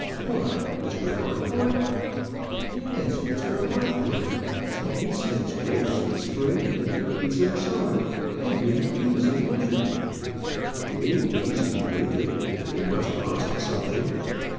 "What, Mr. Harcourt?" "Yes, Mr. Harcourt. And he sends grapes in spring, and turkeys in summer, and green peas in winter." "Green peas in winter! they must cost something."